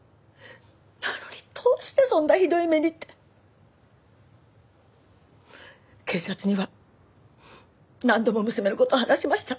なのにどうしてそんなひどい目にって。警察には何度も娘の事を話しました。